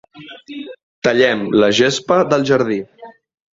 Tallem la gespa del jardí.